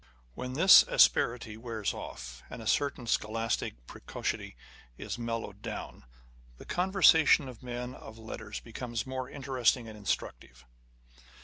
When this asperity wears off, and a certain scholastic precocity is mellowed down, the conversation of men of letters becomes both interesting and instructive.